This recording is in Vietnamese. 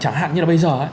chẳng hạn như là bây giờ